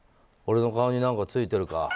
俺の顔に何かついてるか？